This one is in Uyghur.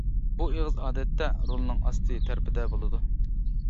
بۇ ئېغىز ئادەتتە رولنىڭ ئاستى تەرىپىدە بولىدۇ.